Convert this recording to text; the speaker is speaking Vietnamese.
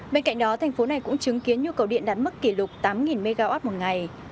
bên cạnh đó thành phố này cũng chứng kiến nhu cầu điện đạt mức kỷ lục tám mw một ngày